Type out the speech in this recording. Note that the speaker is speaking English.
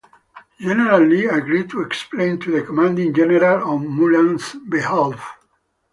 General Li agreed to explain to the Commanding General on Mulan's behalf.